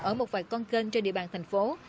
ở một vài con kênh trên địa bàn thành phố